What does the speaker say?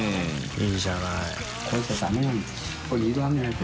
いいじゃない。